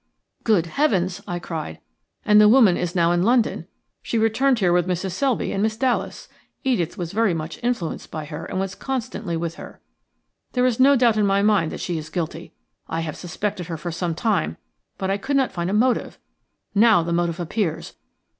"Good heavens!" I cried, "and the woman is now in London. She returned here with Mrs. Selby and Miss Dallas. Edith was very much influenced by her, and was constantly with her. There is no doubt in my mind that she is guilty. I have suspected her for some time, but I could not find a motive. Now the motive appears.